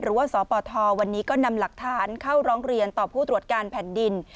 หรือว่าสปทวันนี้ก็นำหลักฐานเข้าร้องเรียนต่อผู้ตรวจการแผ่นดิน